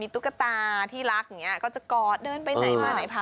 ไม่ว่ายังจะขู่เดี๋ยวอีกหรอคะ